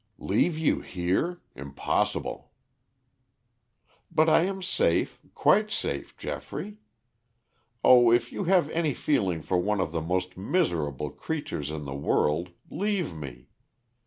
"Leave you here! Impossible!" "But I am safe, quite safe, Geoffrey. Oh, if you have any feeling for one of the most miserable creatures in the world, leave me.